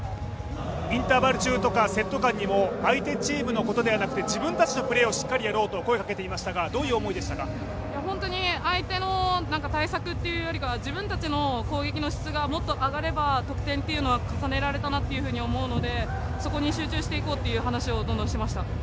インターバル中とかセット間にも、相手チームのことではなくて自分たちのプレーをしっかりやろうと声をかけていましたが、相手の対策というよりかは自分たちの攻撃の質がもっと上がれば得点っていうのは重ねられたなと思うのでそこに集中していこうという話を、どんどんしていました。